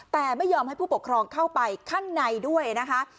แต่ไม่ยอมให้ผู้ปกครองเข้าไปข้างในด้วยนะคะ